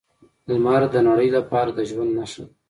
لمر د نړۍ لپاره د ژوند نښه ده.